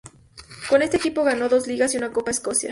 Con este equipo gana dos Ligas y una Copa de Escocia.